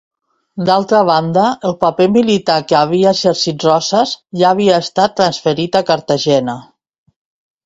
D'altra banda, el paper militar que havia exercit Roses ja havia estat transferit a Cartagena.